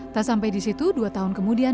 tak sampai di situ dua tahun kemudian